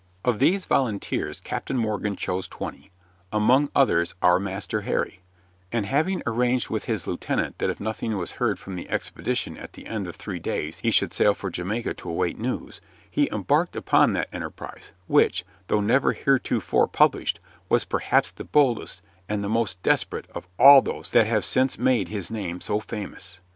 Of these volunteers Captain Morgan chose twenty among others our Master Harry and having arranged with his lieutenant that if nothing was heard from the expedition at the end of three days he should sail for Jamaica to await news, he embarked upon that enterprise, which, though never heretofore published, was perhaps the boldest and the most desperate of all those that have since made his name so famous.